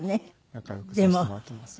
仲良くさせてもらっています。